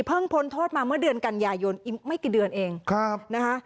พ้นโทษมาเมื่อเดือนกันยายนอีกไม่กี่เดือนเองนะคะ